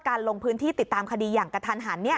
ลงพื้นที่ติดตามคดีอย่างกระทันหัน